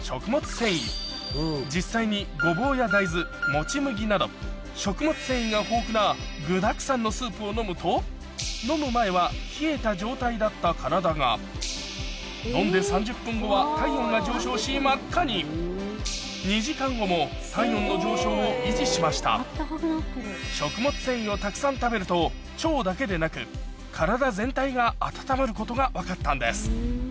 繊維実際にごぼうや大豆もち麦など食物繊維が豊富な具だくさんのスープを飲むと飲む前は冷えた状態だった体が飲んで３０分後は体温が上昇し真っ赤に２時間後も体温の上昇を維持しました食物繊維をたくさん食べると腸だけでなく体全体が温まることが分かったんです